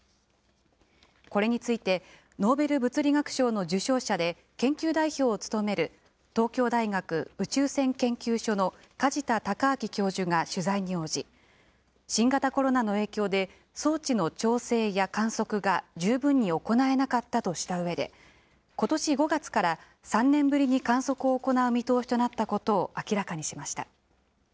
これについてノーベル物理学賞の受賞者で研究代表を務める東京大学宇宙線研究所の梶田隆章教授が取材に応じ、新型コロナの影響で、装置の調整や観測が十分に行えなかったとしたうえで、ことし５月から３年ぶりに観測を行う見通しとなったことを明らかにしました。